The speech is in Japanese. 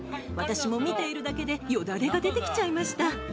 私も見ているだけでよだれが出てきちゃいました